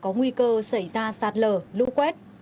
có nguy cơ xảy ra sạt lở lũ quét